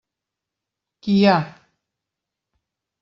Qui hi ha?